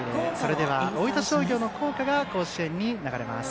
では、大分商業の校歌が甲子園に流れます。